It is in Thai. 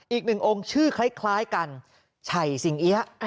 อีกหนึ่งองค์ชื่อคล้ายกันไฉสิงเอี๊ยะ